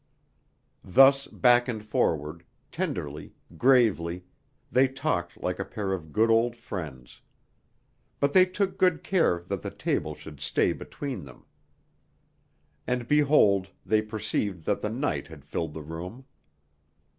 Thus back and forward, tenderly, gravely, they talked like a pair of good old friends. But they took good care that the table should stay between them. And behold, they perceived that the night had filled the room.